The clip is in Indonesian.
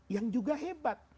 yang juga hebat